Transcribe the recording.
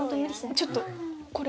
ちょっとこれ。